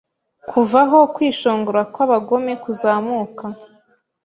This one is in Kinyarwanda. Kuva aho kwishongora kw'abagome kuzamuka